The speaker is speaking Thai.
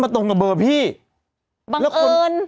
บังเอิญ